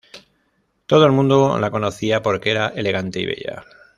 Todo el mundo la conocía porque era elegante y bella.